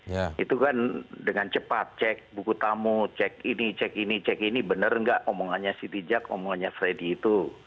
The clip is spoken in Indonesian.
ya itu kan dengan cepat cek buku tamu cek ini cek ini cek ini bener gak omongannya sinti jat omongannya freddy itu